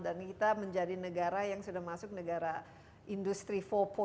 dan kita menjadi negara yang sudah masuk negara industri empat